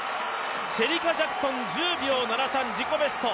シェリカ・ジャクソン１０秒７３自己ベスト